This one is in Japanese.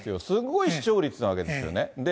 すごい視聴率なわけですよね。